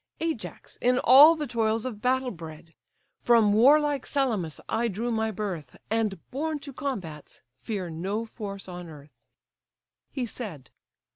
Ajax, in all the toils of battle bred! From warlike Salamis I drew my birth, And, born to combats, fear no force on earth." He said.